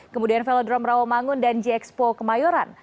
kemudian velodrome rawomangun dan g expo kemayoran